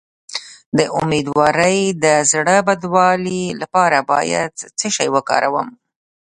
د امیدوارۍ د زړه بدوالي لپاره باید څه شی وکاروم؟